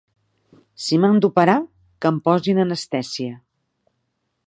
Si m'han d'operar, que em posin anestèsia.